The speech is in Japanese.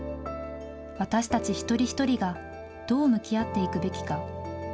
私たち一人一人がどう向き合っていくべきか。